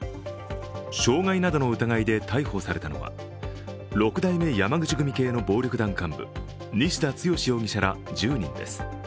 傷害などの疑いで逮捕されたのは六代目山口組系の暴力団幹部西田剛容疑者ら１０人です。